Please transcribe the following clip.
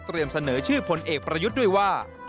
เสนอชื่อพลเอกประยุทธ์ด้วยว่า